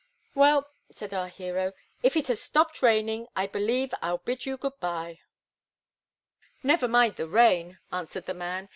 "Well," said our hero, "if it has stopped raining, I believe I'll bid you good by." "Never mind the rain," answered the man.